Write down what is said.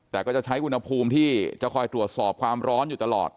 แต่ก็จะใช้อุณหภูมิที่จะคอยตรวจสอบความร้อนอยู่ตลอด